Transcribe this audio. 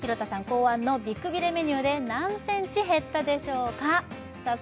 考案の美くびれメニューで何センチ減ったでしょうかさあ